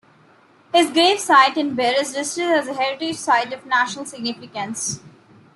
His gravesite in Birr is listed as a heritage site of national significance.